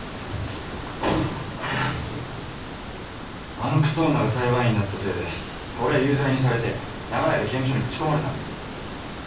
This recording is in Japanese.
あのクソ女が裁判員だったせいで俺は有罪にされて長い間刑務所にぶち込まれたんです。